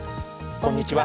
こんにちは。